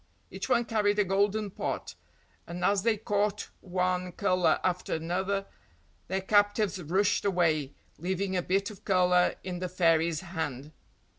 Each one carried a golden pot, and as they caught one colour after another their captives rushed away, leaving a bit of colour in the fairy's hand.